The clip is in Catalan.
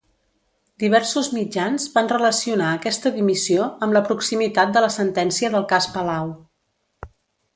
Diversos mitjans van relacionar aquesta dimissió amb la proximitat de la sentència del Cas Palau.